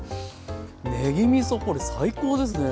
ねぎみそこれ最高ですね！